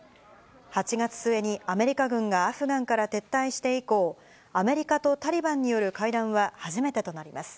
８月末にアメリカ軍がアフガンから撤退して以降、アメリカとタリバンによる会談は初めてとなります。